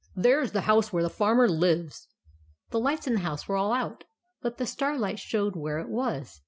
" There is the house where the Farmer lives." The lights in the house were all out ; but the starlight showed where it was.